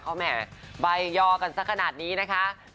เขาแหม่บายยอกันสักขนาดนี้นะคะ